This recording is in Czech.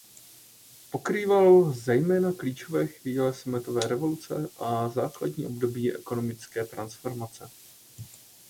Pokrýval zejména klíčové chvíle sametové revoluce a základní období ekonomické transformace.